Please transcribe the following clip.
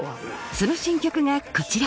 その新曲がこちら